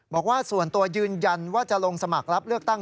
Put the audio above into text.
บอกว่าส่วนตัวยืนยันว่าจะลงสมัครรับเลือกตั้ง